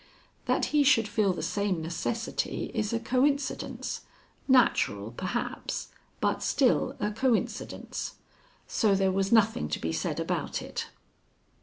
That he should feel the same necessity is a coincidence, natural perhaps, but still a coincidence. So there was nothing to be said about it.